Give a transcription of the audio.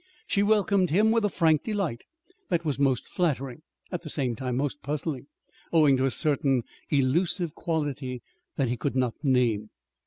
She welcomed him with a frank delight that was most flattering, at the same time most puzzling, owing to a certain elusive quality that he could not name.